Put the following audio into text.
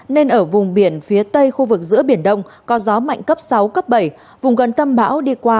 nên ở vùng biển phía tây khu vực giữa biển đông có gió mạnh cấp sáu cấp bảy vùng gần tâm bão đi qua